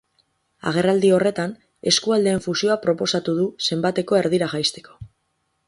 Agerraldi horretan, eskualdeen fusioa proposatu du, zenbatekoa erdira jaisteko.